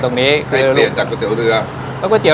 เช่นอาชีพพายเรือขายก๋วยเตี๊ยว